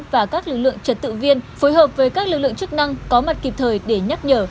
và các lực lượng trật tự viên phối hợp với các lực lượng chức năng có mặt kịp thời để nhắc nhở